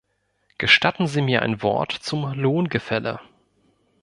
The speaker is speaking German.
Gestatten Sie mir ein Wort zum Lohngefälle.